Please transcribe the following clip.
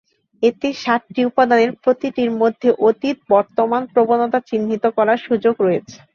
এতে সাতটি উপাদানের প্রতিটির জন্য অতীত ও বর্তমান প্রবণতা চিহ্নিত করার সুযোগ রয়েছে।